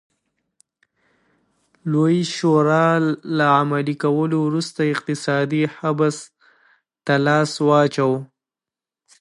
لویې شورا له عملي کولو وروسته اقتصادي حبس ته لاس واچاوه.